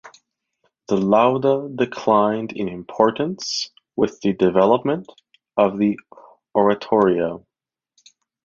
The "lauda" declined in importance with the development of the oratorio.